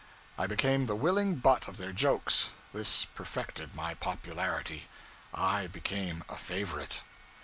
I became the willing butt of their jokes; this perfected my popularity; I became a favorite.